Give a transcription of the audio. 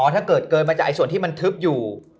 ถ้าเกิดเกินมาจากส่วนที่มันทึบอยู่